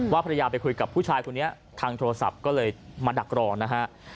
ภรรยาไปคุยกับผู้ชายคนนี้ทางโทรศัพท์ก็เลยมาดักรอนะฮะ